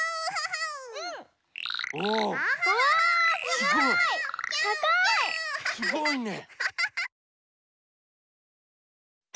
すごいね！